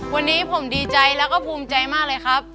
วันนี้ผมดีใจแล้วก็ภูมิใจมากเลยครับ